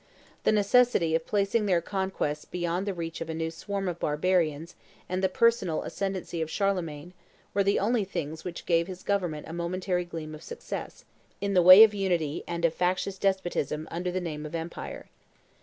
The necessity of placing their conquests beyond the reach of a new swarm of barbarians and the personal ascendency of Charlemagne were the only things which gave his government a momentary gleam of success in the way of unity and of factitious despotism under the name of empire.